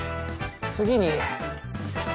次に。